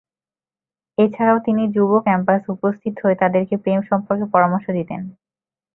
এছাড়াও তিনি যুব ক্যাম্পাসে উপস্থিত হয়ে তাদেরকে প্রেম সম্পর্কে পরামর্শ দিতেন।